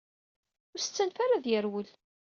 Ur d as-ttanef ara ad yerwel.